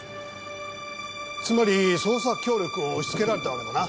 つまり捜査協力を押し付けられたわけだな。